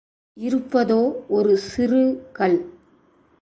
இருப்பதோ ஒரு சிறு கல்.